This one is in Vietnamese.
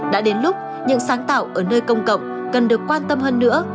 đã đến lúc những sáng tạo ở nơi công cộng cần được quan tâm hơn nữa